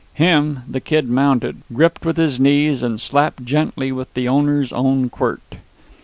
Him the Kid mounted, gripped with his knees, and slapped gently with the owner's own quirt.